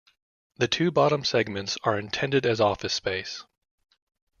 The two bottom segments are intended as office space.